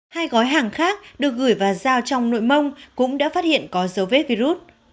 hai gói hàng khác được gửi và giao trong nội mông cũng đã phát hiện có dấu vết virus